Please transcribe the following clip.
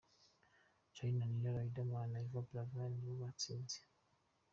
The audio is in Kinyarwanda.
Charly na Nina, Riderman na Yvan Buravan nibo batsinze